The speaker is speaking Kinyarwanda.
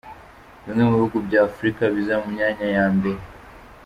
Bimwe mu bihugu by’Afrika biza mu myanya ya mbere.